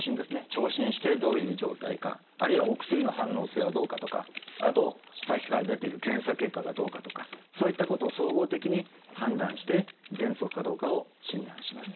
聴診してどういう状態かあるいはお薬の反応性はどうかとかあとさっきから出ている検査結果がどうかとかそういったことを総合的に判断してぜんそくかどうかを診断します。